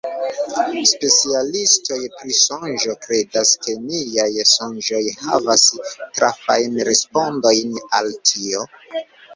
Specialistoj pri sonĝo kredas ke niaj sonĝoj havas trafajn respondojn al tio.